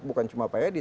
bukan cuma pak edi